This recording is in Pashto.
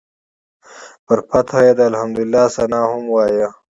پر فتحه یې د الحمدلله ثناء هم وایه.